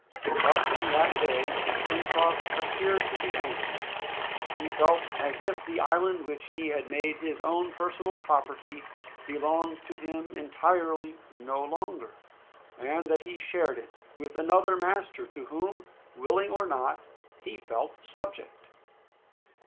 But from that day Pencroft appeared to be anxious. He felt as if the island which he had made his own personal property belonged to him entirely no longer, and that he shared it with another master, to whom, willing or not, he felt subject.